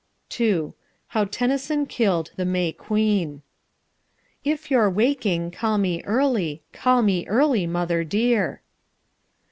II: HOW TENNYSON KILLED THE MAY QUEEN "If you're waking call me early, call me early, mother dear."